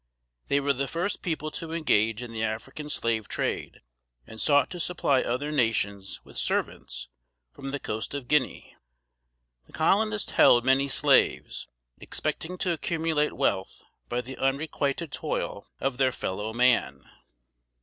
They were the first people to engage in the African Slave trade, and sought to supply other nations with servants from the coast of Guinea. The Colonists held many slaves, expecting to accumulate wealth by the unrequited toil of their fellow man. [Sidenote: 1630.] [Sidenote: 1700.